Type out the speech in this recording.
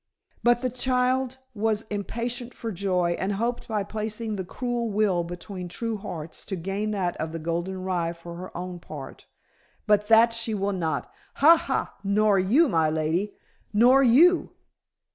But the child was impatient for joy, and hoped by placing the cruel will between true hearts to gain that of the golden rye for her own part. But that she will not. Ha! Ha! Nor you, my lady, nor you."